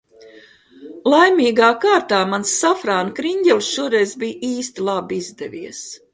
Laimīgā kārtā mans safrāna kriņģelis šoreiz bija īsti labi izdevies.